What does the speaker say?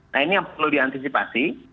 nah ini yang perlu diantisipasi